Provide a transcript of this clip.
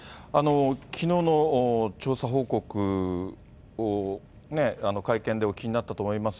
きのうの調査報告を会見でお聞きになったと思います。